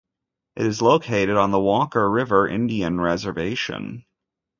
It is located on the Walker River Indian Reservation.